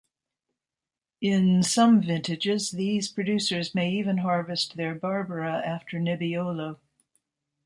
In some vintages, these producers may even harvest their Barbera after Nebbiolo.